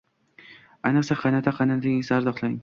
Ayniqsa, qaynota-qaynonangizni ardoqlang.